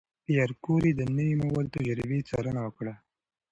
پېیر کوري د نوې موادو د تجربې څارنه وکړه.